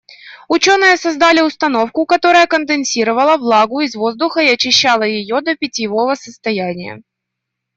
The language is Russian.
Учёные создали установку, которая конденсировала влагу из воздуха и очищала её до питьевого состояния.